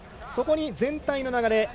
そこに全体の流れ